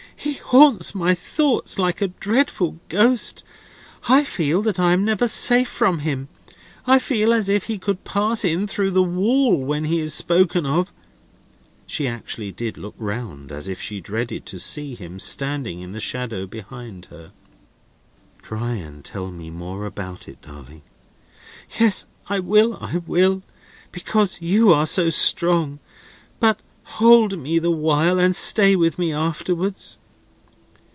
He haunts my thoughts, like a dreadful ghost. I feel that I am never safe from him. I feel as if he could pass in through the wall when he is spoken of." She actually did look round, as if she dreaded to see him standing in the shadow behind her. "Try to tell me more about it, darling." "Yes, I will, I will. Because you are so strong. But hold me the while, and stay with me afterwards."